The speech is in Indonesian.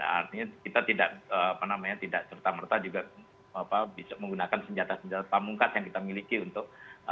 artinya kita tidak apa namanya tidak serta merta juga bisa menggunakan senjata senjata mungkas yang kita miliki untuk